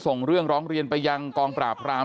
ส่งเรื่องร้องเรียนไปยังกองปราบราม